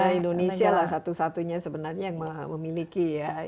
karena indonesia lah satu satunya sebenarnya yang memiliki ya